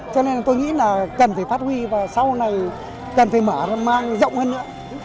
cho nên tôi nghĩ là cần phải phát huy và sau này cần phải mở mang rộng hơn nữa